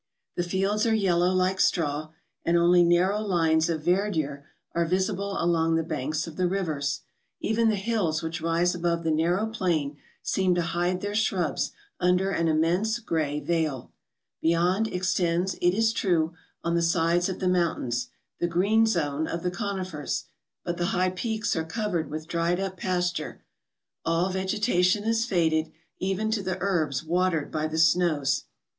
The fields are yellow like straw, and only narrow lines of verdure are visible along the banks of the rivers; even the hills which rise above the narrow plain seem to hide their shrubs under an immense grey veil. Beyond extends, it is true, on the sides of the mountains, the green zone of the conifers; but the high peaks are covered with dried up pasture; all vegetation has faded, even to the herbs watered by the snows.